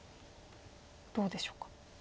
どうでしょうか。